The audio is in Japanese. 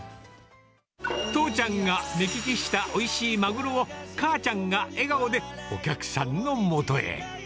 父ちゃんが目利きしたおいしいマグロを、母ちゃんが笑顔でお客さんのもとへ。